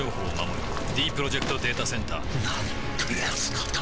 ディープロジェクト・データセンターなんてやつなんだ